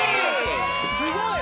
すごい！